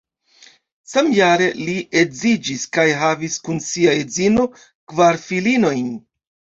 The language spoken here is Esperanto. Samjare li edziĝis kaj havis kun sia edzino kvar filinojn.